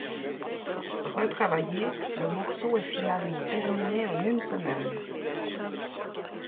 Retravaillé, le morceau est finalement terminé en une semaine.